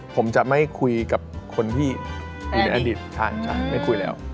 ผมจะไม่คุยกับคนที่อยู่ในอดีตไม่คุยแล้ว